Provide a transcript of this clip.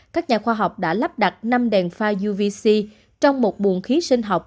các nhà khoa học đã lắp đặt năm đèn pha uvc trong một buồng khí sinh học